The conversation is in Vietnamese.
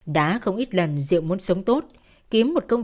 đã không ít lần diệu muốn sống tốt